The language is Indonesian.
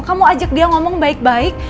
kamu ajak dia ngomong baik baik